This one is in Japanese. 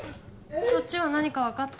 そっちは何か分かった？